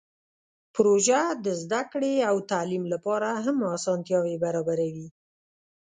پروژه د زده کړې او تعلیم لپاره هم اسانتیاوې برابروي.